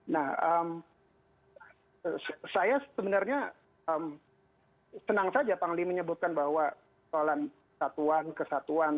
nah saya sebenarnya senang saja panglima menyebutkan bahwa persoalan kesatuan kesatuan